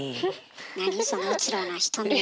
何そのうつろな瞳。